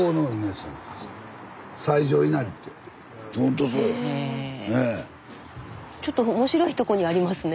スタジオちょっと面白いとこにありますね。